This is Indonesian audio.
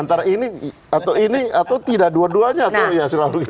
antara ini atau ini atau tidak dua duanya atau ya